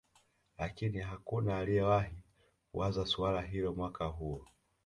Lakini hakuna aliyewahi kuwaza suala hilo Mwaka huo